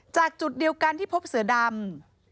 จากจุดเดียวกันที่พบเสือดำ